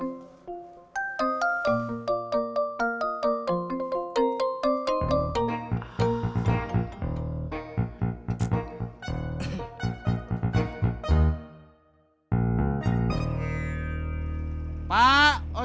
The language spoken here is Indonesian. ini kasih milang sobatku